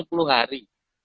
anak umur sepuluh hari